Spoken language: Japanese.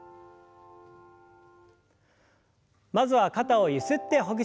まずは肩をゆすってほぐしましょう。